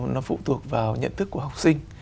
nó phụ thuộc vào nhận thức của học sinh